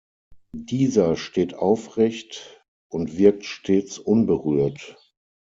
Dieser steht aufrecht und wirkt stets unberührt.